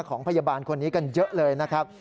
ของพยาบาลคนนี้กันเยอะเลยนะครับ